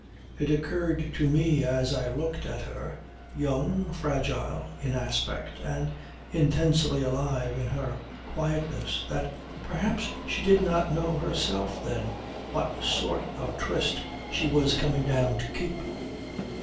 It occurred to me as I looked at her, young, fragile in aspect, and intensely alive in her quietness, that perhaps she did not know herself then what sort of tryst she was coming down to keep.